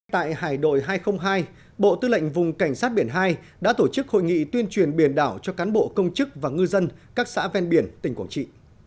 tại hải đội hai trăm linh hai bộ tư lệnh vùng cảnh sát biển hai đã tổ chức hội nghị tuyên truyền biển đảo cho cán bộ công chức và ngư dân các xã ven biển tỉnh quảng trị